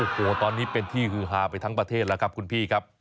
โอ้โหตอนนี้เป็นที่ฮือฮาไปทั้งประเทศแล้วครับคุณพี่ครับ